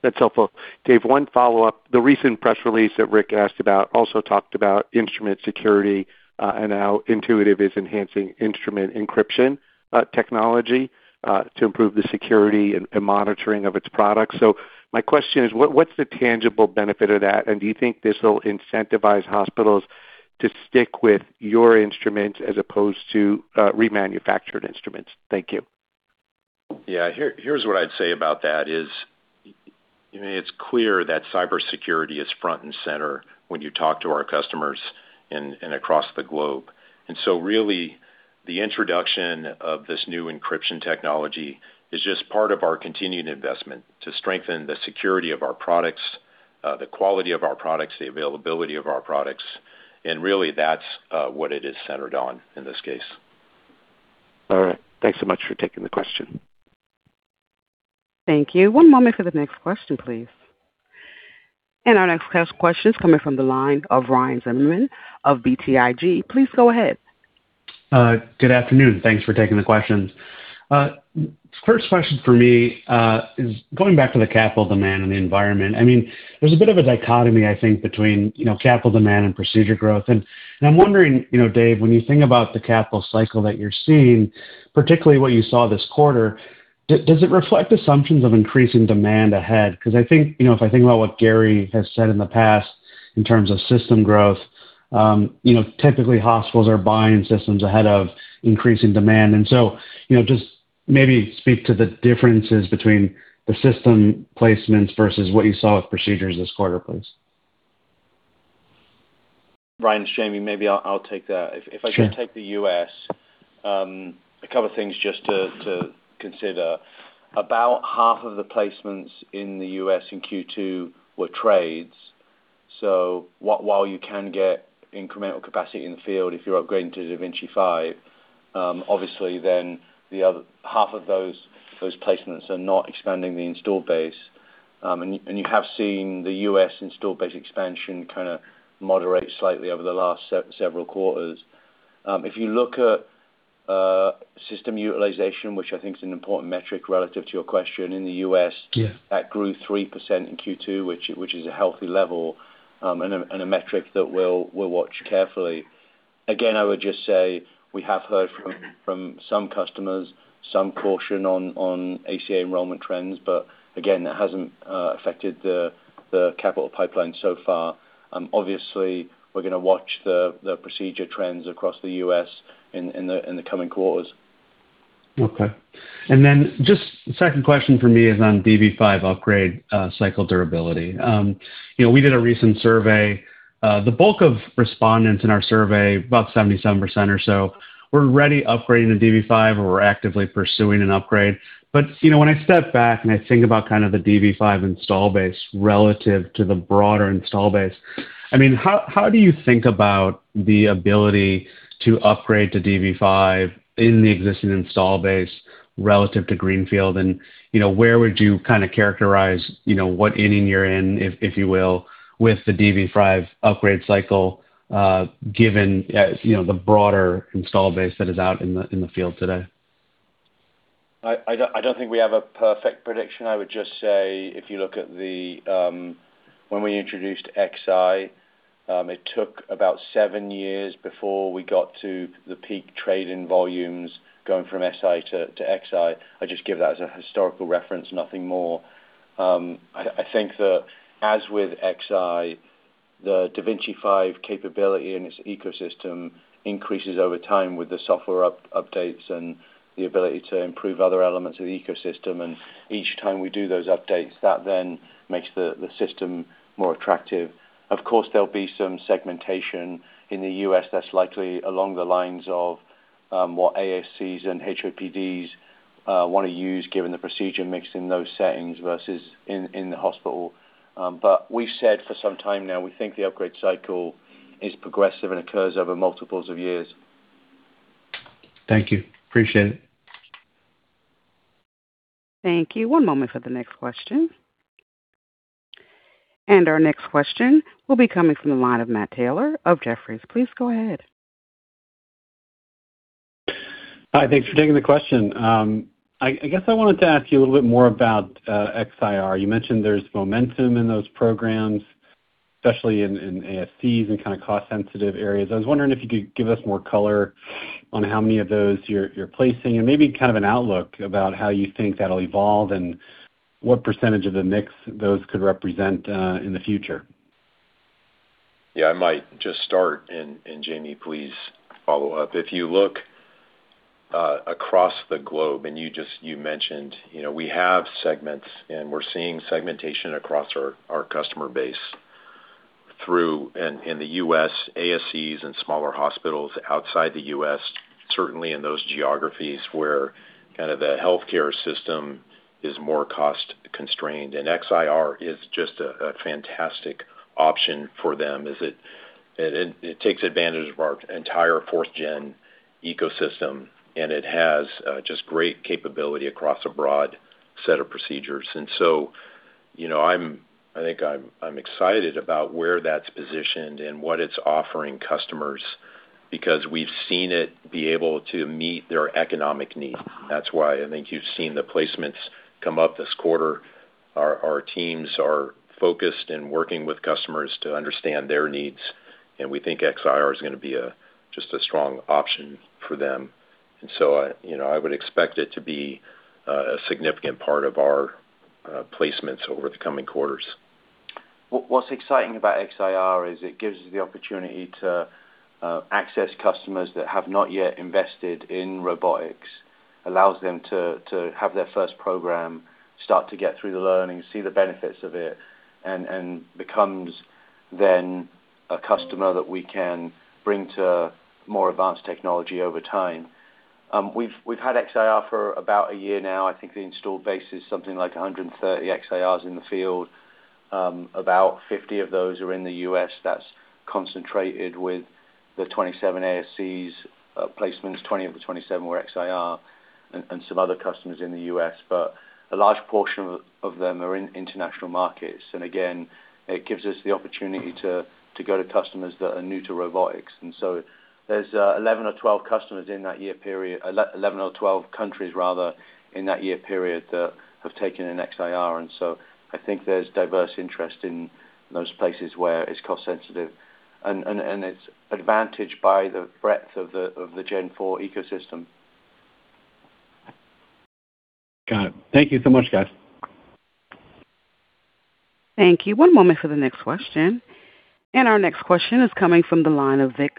That's helpful. Dave, one follow-up. The recent press release that Rick asked about also talked about instrument security, and how Intuitive is enhancing instrument encryption technology to improve the security and monitoring of its products. My question is, what's the tangible benefit of that? Do you think this will incentivize hospitals to stick with your instruments as opposed to remanufactured instruments? Thank you. Yeah. Here's what I'd say about that is, it's clear that cybersecurity is front and center when you talk to our customers and across the globe. Really, the introduction of this new encryption technology is just part of our continued investment to strengthen the security of our products, the quality of our products, the availability of our products. Really that's what it is centered on in this case. All right. Thanks so much for taking the question. Thank you. One moment for the next question, please. Our next question is coming from the line of Ryan Zimmerman of BTIG. Please go ahead. Good afternoon. Thanks for taking the questions. First question for me is going back to the capital demand and the environment. There's a bit of a dichotomy, I think, between capital demand and procedure growth. I'm wondering, Dave, when you think about the capital cycle that you're seeing, particularly what you saw this quarter, does it reflect assumptions of increasing demand ahead? Because if I think about what Gary has said in the past in terms of system growth, typically hospitals are buying systems ahead of increasing demand. Just maybe speak to the differences between the system placements versus what you saw with procedures this quarter, please. Ryan, it's Jamie. Maybe I'll take that. Sure. If I can take the U.S., a couple of things just to consider. About half of the placements in the U.S. in Q2 were trades. While you can get incremental capacity in the field if you're upgrading to da Vinci 5, obviously then the other half of those placements are not expanding the installed base. You have seen the U.S. installed base expansion kind of moderate slightly over the last several quarters. If you look at system utilization, which I think is an important metric relative to your question in the U.S. Yeah That grew 3% in Q2, which is a healthy level, and a metric that we'll watch carefully. Again, I would just say we have heard from some customers, some caution on ACA enrollment trends, but again, that hasn't affected the capital pipeline so far. Obviously, we're going to watch the procedure trends across the U.S. in the coming quarters. Okay. Then just the second question for me is on da Vinci 5 upgrade cycle durability. We did a recent survey. The bulk of respondents in our survey, about 77% or so, were already upgrading to da Vinci 5 or were actively pursuing an upgrade. When I step back and I think about the da Vinci 5 install base relative to the broader install base, how do you think about the ability to upgrade to da Vinci 5 in the existing install base relative to Greenfield? Where would you characterize what inning you're in, if you will, with the da Vinci 5 upgrade cycle given the broader install base that is out in the field today? I don't think we have a perfect prediction. I would just say if you look at when we introduced XI, it took about seven years before we got to the peak trade-in volumes going from SI to XI. I just give that as a historical reference, nothing more. I think that as with XI, the da Vinci 5 capability and its ecosystem increases over time with the software updates and the ability to improve other elements of the ecosystem. Each time we do those updates, that then makes the system more attractive. Of course, there'll be some segmentation in the U.S. that's likely along the lines of what ASCs and HOPDs want to use given the procedure mix in those settings versus in the hospital. We've said for some time now, we think the upgrade cycle is progressive and occurs over multiples of years. Thank you. Appreciate it. Thank you. One moment for the next question. Our next question will be coming from the line of Matt Taylor of Jefferies. Please go ahead. Hi, thanks for taking the question. I guess I wanted to ask you a little bit more about XIR. You mentioned there's momentum in those programs, especially in ASCs and kind of cost-sensitive areas. I was wondering if you could give us more color on how many of those you're placing and maybe kind of an outlook about how you think that'll evolve and what percentage of the mix those could represent in the future. Yeah, I might just start, Jamie, please follow up. If you look across the globe, you mentioned we have segments and we're seeing segmentation across our customer base through, in the U.S., ASCs and smaller hospitals outside the U.S., certainly in those geographies where kind of the healthcare system is more cost-constrained. XIR is just a fantastic option for them as it takes advantage of our entire fourth gen ecosystem, and it has just great capability across a broad set of procedures. I think I'm excited about where that's positioned and what it's offering customers because we've seen it be able to meet their economic needs. That's why I think you've seen the placements come up this quarter. Our teams are focused and working with customers to understand their needs, and we think XIR is going to be just a strong option for them. I would expect it to be a significant part of our placements over the coming quarters. What's exciting about XIR is it gives us the opportunity to access customers that have not yet invested in robotics, allows them to have their first program, start to get through the learning, see the benefits of it, and becomes then a customer that we can bring to more advanced technology over time. We've had XIR for about a year now. I think the install base is something like 130 XIRs in the field. About 50 of those are in the U.S. That's concentrated with the 27 ASCs placements. 20 of the 27 were XIR and some other customers in the U.S., but a large portion of them are in international markets. Again, it gives us the opportunity to go to customers that are new to robotics. There's 11 or 12 customers in that year period, 11 or 12 countries rather, in that year period that have taken an XIR. I think there's diverse interest in those places where it's cost sensitive, and it's advantaged by the breadth of the Gen four ecosystem. Got it. Thank you so much, guys. Thank you. One moment for the next question. Our next question is coming from the line of Vik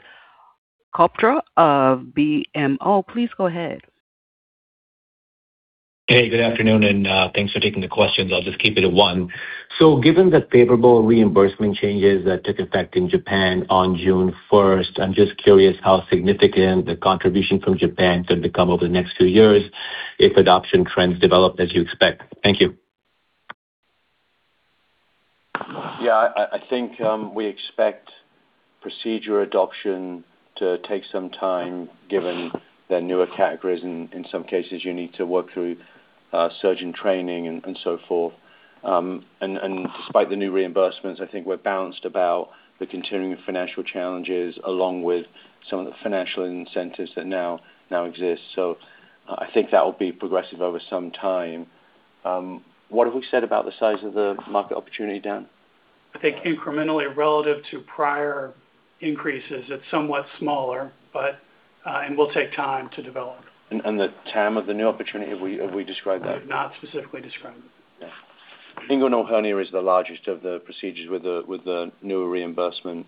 Chopra of BMO. Please go ahead. Hey, good afternoon, and thanks for taking the questions. I'll just keep it at one. Given the favorable reimbursement changes that took effect in Japan on June 1st, I'm just curious how significant the contribution from Japan is going to become over the next few years if adoption trends develop as you expect. Thank you. Yeah, I think we expect procedure adoption to take some time given their newer categories, and in some cases, you need to work through surgeon training and so forth. Despite the new reimbursements, I think we're balanced about the continuing financial challenges along with some of the financial incentives that now exist. I think that will be progressive over some time. What have we said about the size of the market opportunity, Dan? I think incrementally relative to prior increases, it's somewhat smaller, it will take time to develop. The TAM of the new opportunity, have we described that? We have not specifically described it. Yeah. Inguinal hernia is the largest of the procedures with the newer reimbursement.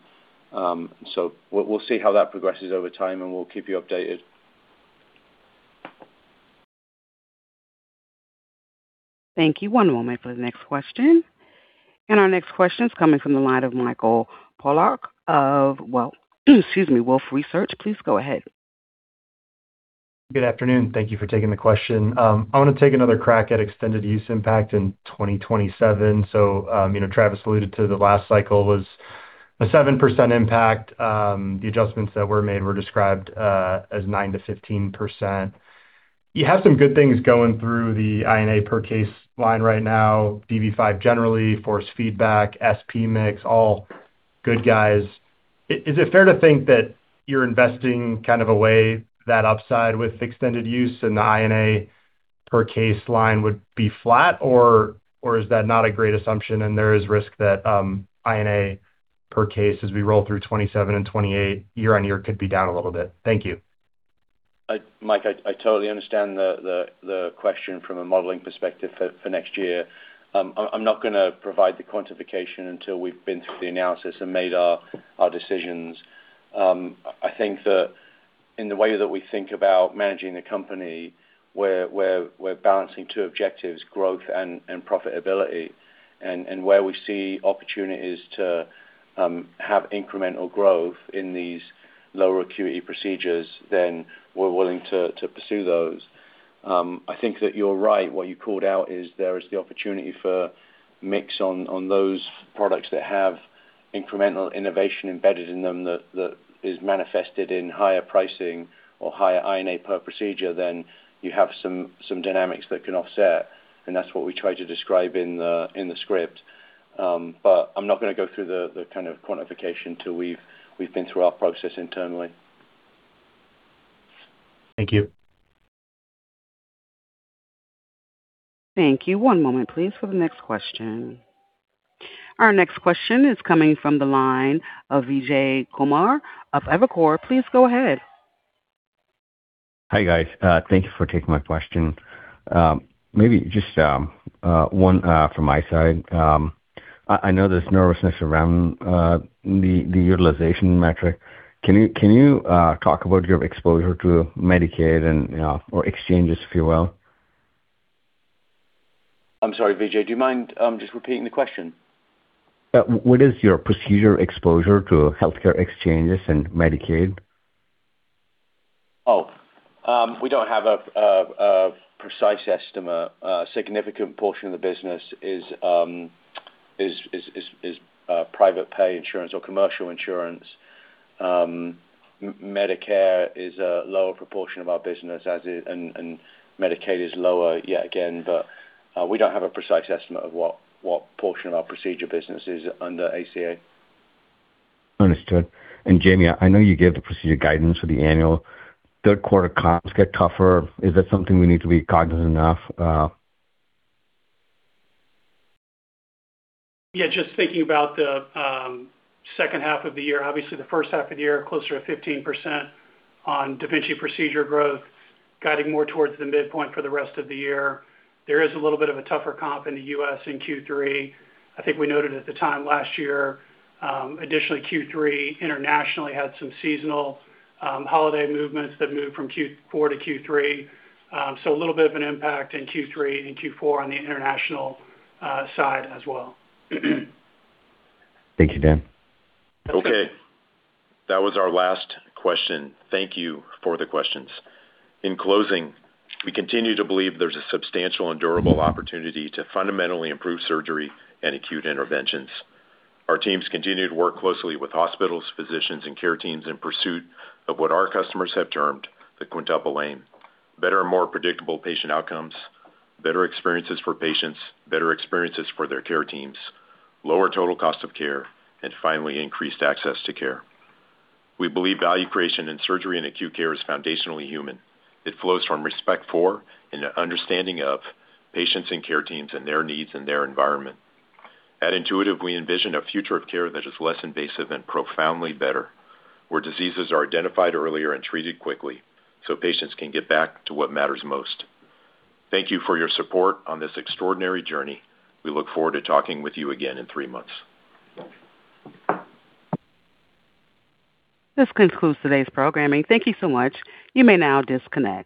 We'll see how that progresses over time, and we'll keep you updated. Thank you. One moment for the next question. Our next question is coming from the line of Mike Polark of, well, excuse me, Wolfe Research. Please go ahead. Good afternoon. Thank you for taking the question. I want to take another crack at extended use impact in 2027. Travis alluded to the last cycle was a 7% impact. The adjustments that were made were described as 9%-15%. You have some good things going through the INA per case line right now. DB5 generally, force feedback, SP mix, all good guys. Is it fair to think that you're investing kind of away that upside with extended use and the INA per case line would be flat, or is that not a great assumption and there is risk that INA per case, as we roll through 2027 and 2028, year-on-year could be down a little bit? Thank you. Mike, I totally understand the question from a modeling perspective for next year. I'm not going to provide the quantification until we've been through the analysis and made our decisions. I think that in the way that we think about managing the company, we're balancing two objectives, growth and profitability, and where we see opportunities to have incremental growth in these lower acuity procedures, then we're willing to pursue those. I think that you're right. What you called out is there is the opportunity for mix on those products that have incremental innovation embedded in them that is manifested in higher pricing or higher INA per procedure, then you have some dynamics that can offset, and that's what we try to describe in the script. I'm not going to go through the kind of quantification till we've been through our process internally. Thank you. Thank you. One moment, please, for the next question. Our next question is coming from the line of Vijay Kumar of Evercore. Please go ahead. Hi, guys. Thank you for taking my question. Maybe just one from my side. I know there's nervousness around the utilization metric. Can you talk about your exposure to Medicaid and or exchanges, if you will? I'm sorry, Vijay, do you mind just repeating the question? What is your procedure exposure to healthcare exchanges and Medicaid? We don't have a precise estimate. A significant portion of the business is private pay insurance or commercial insurance. Medicare is a lower proportion of our business, and Medicaid is lower yet again. We don't have a precise estimate of what portion of our procedure business is under ACA. Understood. Jamie, I know you gave the procedure guidance for the annual. Third quarter comps get tougher. Is that something we need to be cognizant of? Just thinking about the second half of the year, obviously the first half of the year, closer to 15% on da Vinci procedure growth, guiding more towards the midpoint for the rest of the year. There is a little bit of a tougher comp in the U.S. in Q3. I think we noted at the time last year, additionally, Q3 internationally had some seasonal holiday movements that moved from Q4 to Q3. A little bit of an impact in Q3 and Q4 on the international side as well. Thank you, Dan. Okay. That was our last question. Thank you for the questions. In closing, we continue to believe there's a substantial and durable opportunity to fundamentally improve surgery and acute interventions. Our teams continue to work closely with hospitals, physicians, and care teams in pursuit of what our customers have termed the Quintuple Aim: better and more predictable patient outcomes, better experiences for patients, better experiences for their care teams, lower total cost of care, and finally, increased access to care. We believe value creation in surgery and acute care is foundationally human. It flows from respect for and an understanding of patients and care teams and their needs and their environment. At Intuitive, we envision a future of care that is less invasive and profoundly better, where diseases are identified earlier and treated quickly so patients can get back to what matters most. Thank you for your support on this extraordinary journey. We look forward to talking with you again in three months. This concludes today's programming. Thank you so much. You may now disconnect.